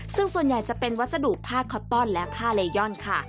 ซึ่งส่วนใหญ่จะเป็นวัสดุผ้าคอปต้อนและผ้าเลยอนค่ะ